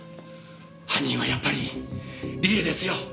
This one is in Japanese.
犯人はやっぱり理恵ですよ。